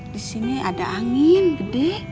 di sini ada angin gede